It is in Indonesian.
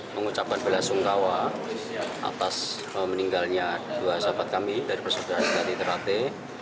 mengucapkan belasungkawa atas meninggalnya dua sahabat kami dari persaudaraan dari terate